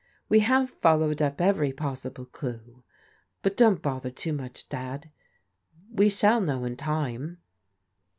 "We have followed up every possible clue. But don't bother too much. Dad, we shall know in time."